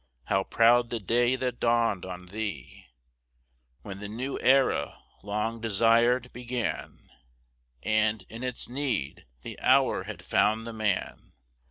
How proud the day that dawned on thee, When the new era, long desired, began, And, in its need, the hour had found the man!